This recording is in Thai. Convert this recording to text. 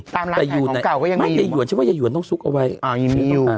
ตามรัฐให้ของเก่าก็ยังมีมันแต่หย่วนชิบว่าหย่วนต้องซุกเอาไว้อ่ายังมีอยู่